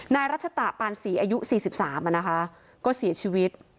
นายรัชตะปานศรีอายุ๔๓นะคะก็เสียชีวิต